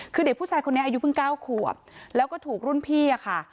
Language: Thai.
คือเด็กผู้ชายคนนี้อายุเพิ่ง๙ขวบแล้วก็ถูกรุ่นพี่อะค่ะ